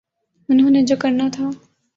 انہوں نے جو کرنا تھا۔